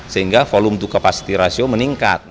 sehingga volume tuh kapasiti rasio meningkat